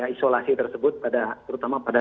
isolasi tersebut terutama pada